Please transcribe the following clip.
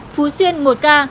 phú xuyên một ca